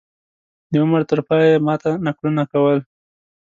د عمر تر پایه یې ما ته نکلونه کول.